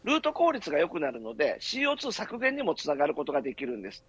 ルート効率が良くなるのでＣＯ２削減にもつながることができるんです。